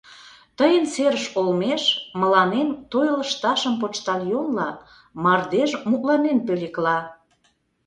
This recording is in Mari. Тыйын серыш олмеш мыланем той лышташым почтальонла мардеж мутланен пӧлекла.